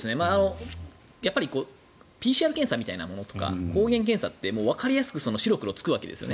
やっぱりＰＣＲ検査みたいなものとか抗原検査ってわかりやすく白黒つくわけですよね。